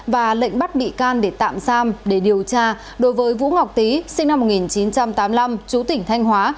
và lệnh bắt bị can để tạm giam để điều tra đối với vũ ngọc tý sinh năm một nghìn chín trăm tám mươi năm chú tỉnh thanh hóa